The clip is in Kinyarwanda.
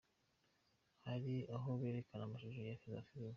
Hari aho berekana amashusho, za filimi.